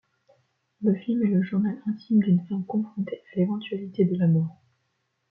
Le film est le journal intime d'une femme confrontée à l'éventualité de la mort.